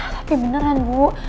tapi beneran bu